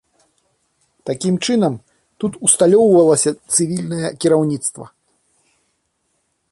Такім чынам, тут усталёўвалася цывільнае кіраўніцтва.